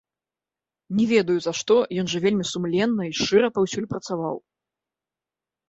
Не ведаю, за што, ён жа вельмі сумленна і шчыра паўсюль працаваў.